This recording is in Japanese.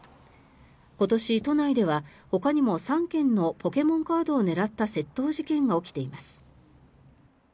今年、都内ではほかにも３件のポケモンカードを狙った窃盗事件が起きています。